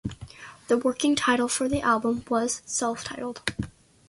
The working title for the album was self-titled.